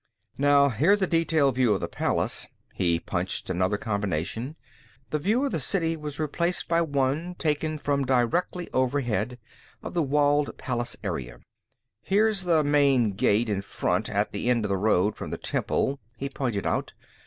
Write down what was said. "Now, here's a detailed view of the palace." He punched another combination; the view of the City was replaced by one, taken from directly overhead, of the walled palace area. "Here's the main gate, in front, at the end of the road from the temple," he pointed out.